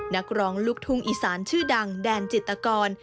นักร้องลูกทุ่งอีสานชื่อดังแดนจิตกร